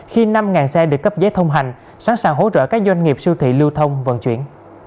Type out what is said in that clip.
khi năm xe được cấp giấy thông hành sẵn sàng hỗ trợ các doanh nghiệp siêu thị lưu thông vận chuyển